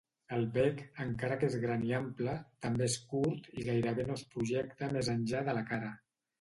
El bec, encara que és gran i ample, també és curt i gairebé no es projecta més enllà de la cara.